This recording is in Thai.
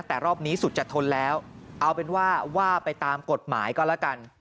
แต่รอบนี้สุดจะทนแล้วเอาเป็นว่าว่าไปตามกฎหมายก็แล้วกัน